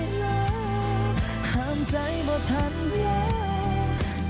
อย่าทำเป็นห่วง